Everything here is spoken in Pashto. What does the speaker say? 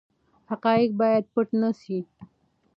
حقایق باید پټ نه سي.